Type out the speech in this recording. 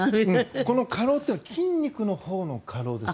この過労というのは筋肉のほうの過労です。